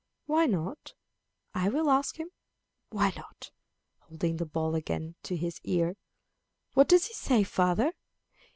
"Why not?" "I will ask him, why not?" (holding the ball again to his ear). "What does he say, father?"